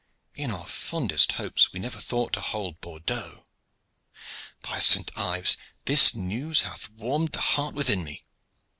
"In our fondest hopes we never thought to hold Bordeaux. By Saint Ives! this news hath warmed the heart within me.